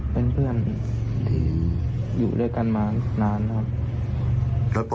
เป็นปืนของเพื่อนครับ